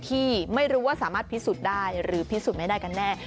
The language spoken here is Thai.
ที่ไม่รู้ว่าสามารถพิสูจน์ได้หรือพิสูจน์ไม่ได้กันแน่